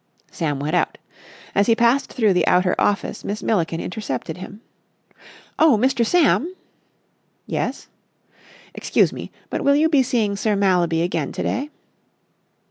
Sam went out. As he passed through the outer office, Miss Milliken intercepted him. "Oh, Mr. Sam!" "Yes?" "Excuse me, but will you be seeing Sir Mallaby again to day?"